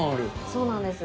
そうなんです。